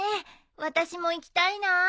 私も行きたいなあ。